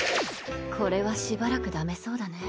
これはしばらくダメそうだね。